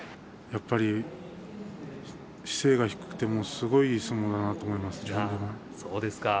やっぱり姿勢が低くてもすごくいい相撲だなと思います